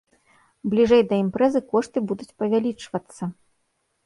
Бліжэй да імпрэзы кошты будуць павялічвацца.